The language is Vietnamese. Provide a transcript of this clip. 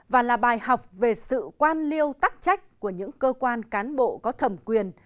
và là bài học về sự quan liêu tắc trách của những cơ quan cán bộ có thẩm quyền